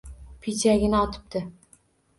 — Pichagina o‘tibdi.